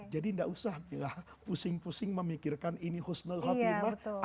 jadi tidak usah pusing pusing memikirkan ini khusnul khatimah